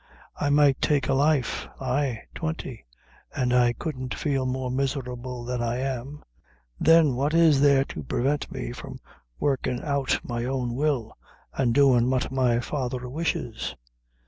I might take a life; ay, twenty, an' I couldn't feel more miserable than I am. Then, what is there to prevent me from workin' out my own will, an' doin' what my father wishes?